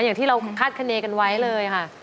อย่างที่เราคาดคณีกันไว้เลยค่ะ